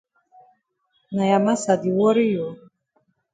Na ya massa di worry you?